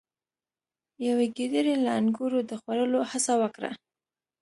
یوې ګیدړې له انګورو د خوړلو هڅه وکړه.